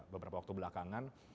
beberapa waktu belakangan